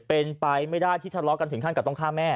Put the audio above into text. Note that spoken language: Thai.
เป็นไปไม่ได้ที่ชะล้อกันถึงต้องฆ่าแม่